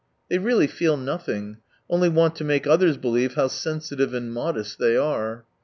They really feel nothing, only want to make others believe how sensitive and modest they are.